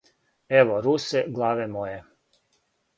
Ево русе главе моје!